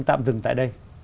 tạm dừng tại đây